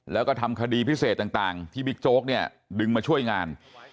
แล้วก็ทำคดีพิเศษต่างที่บิ๊กโจ๊กเนี่ยดึงมาช่วยงาน